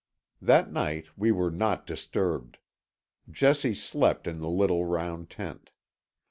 That night we were not disturbed. Jessie slept in the little round tent.